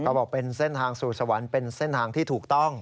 บอกเป็นเส้นทางสู่สวรรค์เป็นเส้นทางที่ถูกต้อง